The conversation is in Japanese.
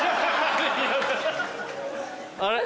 あれ？